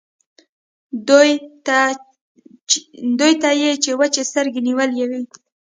دوی ته يې وچې سترګې نيولې وې.